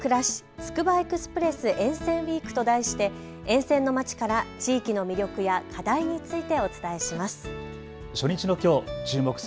つくばエクスプレス沿線ウイークと題して沿線の街から地域の魅力や課題についてお伝えします。